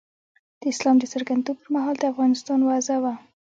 د اسلام د څرګندېدو پر مهال د افغانستان وضع وه.